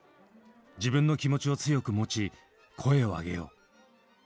自分の気持ちを強く持ち声を上げよう。